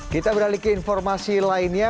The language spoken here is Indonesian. kita beralih ke informasi lainnya